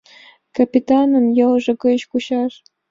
— Капитаным йолжо гыч кучаш!